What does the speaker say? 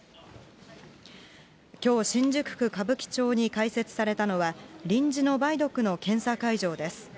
きょう、新宿区歌舞伎町に開設されたのは、臨時の梅毒の検査会場です。